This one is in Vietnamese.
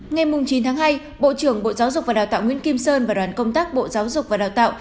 ngày chín tháng hai bộ trưởng bộ giáo dục và đào tạo nguyễn kim sơn và đoàn công tác bộ giáo dục và đào tạo